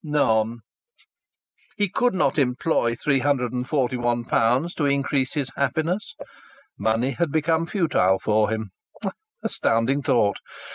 None. He could not employ three hundred and forty one pounds to increase his happiness. Money had become futile for him. Astounding thought!